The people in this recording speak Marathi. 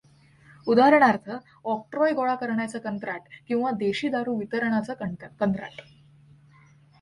उदाहणार्थ ऑक्ट्रॉय गोळा करण्याचं कंत्राट किंवा देशी दारु वितरणाचं कंत्राट.